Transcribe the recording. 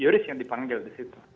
yoris yang dipanggil disitu